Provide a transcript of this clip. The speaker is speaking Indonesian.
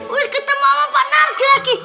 wih ketemu sama pak narci lagi